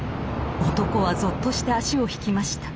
男はぞっとして足を引きました。